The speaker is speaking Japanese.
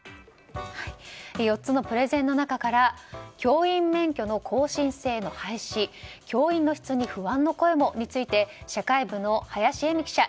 ４つのプレゼンの中から教員免許の更新制の廃止教員の質に不安の声もについて社会部の林英美記者